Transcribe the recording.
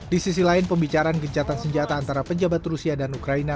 di sisi lain pembicaraan gencatan senjata antara pejabat rusia dan ukraina